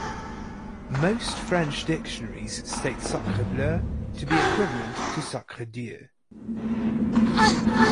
Most French dictionaries state "sacrebleu" to be equivalent to "sacredieu".